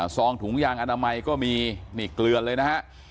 ซองถุงยางอนามัยก็มีนี่เกลือนเลยนะฮะ